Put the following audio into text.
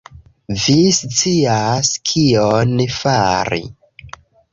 Vi scias kion fari